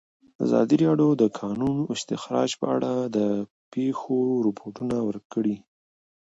ازادي راډیو د د کانونو استخراج په اړه د پېښو رپوټونه ورکړي.